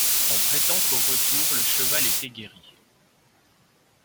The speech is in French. On prétend qu'au retour le cheval était guéri.